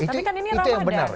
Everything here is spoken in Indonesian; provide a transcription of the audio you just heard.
tapi kan ini ramadan